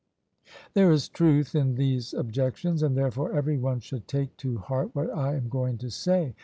There is truth in these objections, and therefore every one should take to heart what I am going to say.